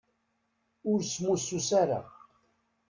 Ur smussus ara.